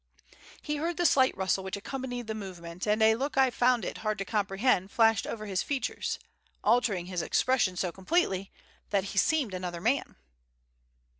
He heard the slight rustle which accompanied the movement, and a look I found it hard to comprehend flashed over his features, altering his expression so completely that he seemed another man.